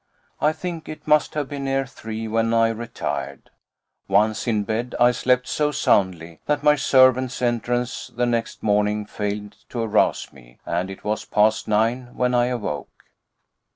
I think it must have been near three when I retired. Once in bed, I slept so soundly that my servant's entrance the next morning failed to arouse me, and it was past nine when I awoke.